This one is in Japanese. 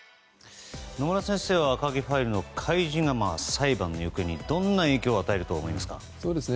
野村先生は赤木ファイルの開示が裁判の行方にどんな影響を与えると思いますか。